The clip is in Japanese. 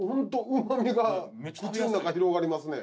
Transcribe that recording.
うまみが口の中広がりますね